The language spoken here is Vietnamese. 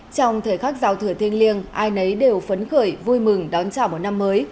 trong thời khắc giao thừa thiên liêng ai nấy đều phấn khởi vui mừng đón chào một năm mới